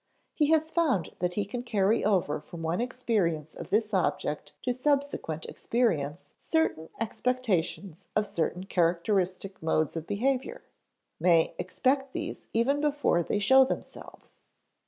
He has found that he can carry over from one experience of this object to subsequent experience certain expectations of certain characteristic modes of behavior may expect these even before they show themselves.